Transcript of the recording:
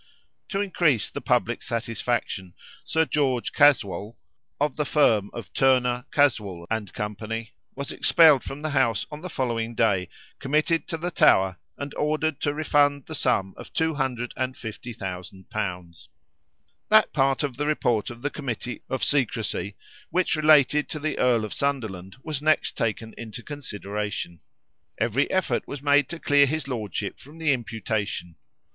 To increase the public satisfaction, Sir George Caswall, of the firm of Turner, Caswall, and Co., was expelled from the House on the following day, committed to the Tower, and ordered to refund the sum of 250,000l. [Illustration: EARL OF SUNDERLAND.] That part of the report of the Committee of Secrecy which related to the Earl of Sunderland was next taken into consideration. Every effort was made to clear his lordship from the imputation.